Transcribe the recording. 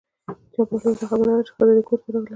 چا بهلول ته خبر راوړ چې ښځه دې کور ته راغله.